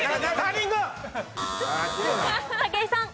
武井さん。